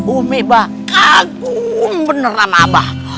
umi abah kagum bener sama abah